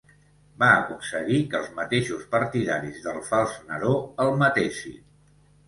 Va aconseguir que els mateixos partidaris del fals Neró el matessin.